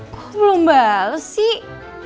kok belum bales sih